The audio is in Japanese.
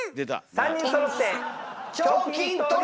３人そろって。